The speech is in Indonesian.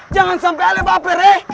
jangan sampai alembaper ye